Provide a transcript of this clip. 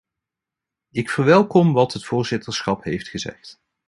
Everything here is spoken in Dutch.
Ik verwelkom wat het voorzitterschap heeft gezegd.